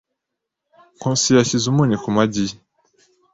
Nkusi yashyize umunyu ku magi ye.